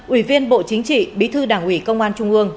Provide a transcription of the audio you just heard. ủy viên bộ chính trị bí thư đảng ủy công an trung ương